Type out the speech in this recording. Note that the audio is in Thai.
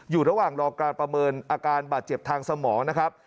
อยู่ระหว่างรอการประเมินอาการบาดเจ็บทางสมองนะครับ